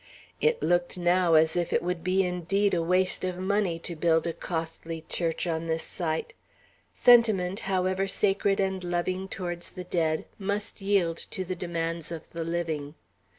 It looked, now, as if it would be indeed a waste of money to build a costly church on this site. Sentiment, however sacred and loving towards the dead, must yield to the demands of the living.